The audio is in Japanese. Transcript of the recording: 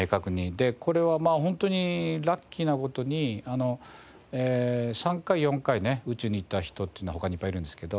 でこれはホントにラッキーな事に３回４回ね宇宙に行った人っていうのは他にいっぱいいるんですけど。